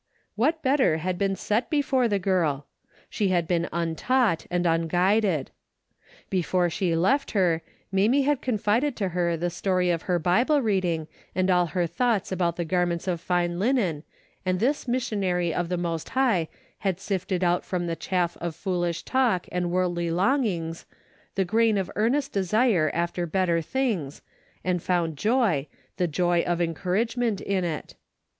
What better had been set before the girl ? She had been untaught and unguided. Before she left her, Mamie had confided to her the story of her Bible reading and of all her thoughts about the garments of fine linen, and this missionary of the Most High had sifted out from the chaff of foolish talk and worldly longings the grain of earnest desire after better things and found joy, the joy of encouragement in it.